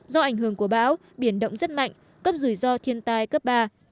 do ảnh hưởng của bão biển động rất mạnh cấp rủi ro thiên tai cấp ba